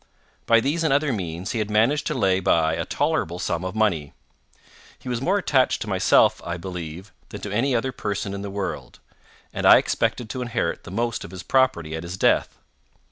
By these and other means he had managed to lay by a tolerable sum of money. He was more attached to myself, I believe, than to any other person in the world, and I expected to inherit the most of his property at his death.